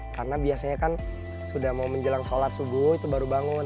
karena biasanya kan sudah mau menjelang sholat subuh itu baru bangun